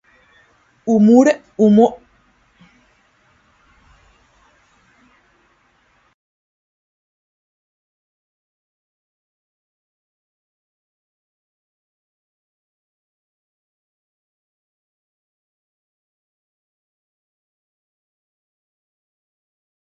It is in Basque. Umorea izan dugu ardatz.